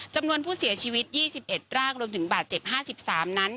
จำนวนผู้เสียชีวิต๒๑ร่างรวมถึงบาดเจ็บ๕๓นั้น